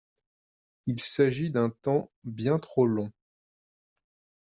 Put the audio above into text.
Il s’agit d’un temps bien trop long.